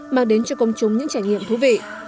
mang đến cho công chúng những trải nghiệm thú vị